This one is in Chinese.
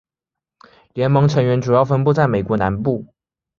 联盟成员主要分布在美国南部。